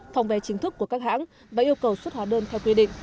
phòng vé chính thức của các hãng và yêu cầu xuất hóa đơn theo quy định